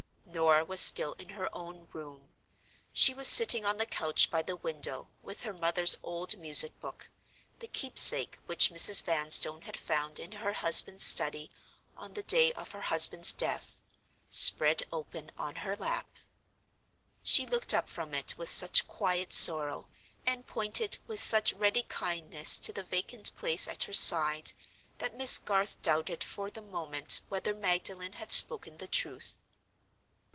Norah was still in her own room. She was sitting on the couch by the window, with her mother's old music book—the keepsake which Mrs. Vanstone had found in her husband's study on the day of her husband's death—spread open on her lap. She looked up from it with such quiet sorrow, and pointed with such ready kindness to the vacant place at her side, that Miss Garth doubted for the moment whether Magdalen had spoken the truth.